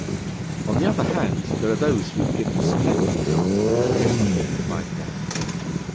On the other hand, there are those who have given a splendid example of a brave and dignified death.